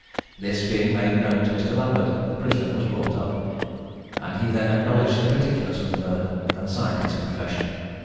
This being made known to Mr. Lambert, the prisoner was brought up, and he then acknowledged the particulars of the murder, and signed his confession.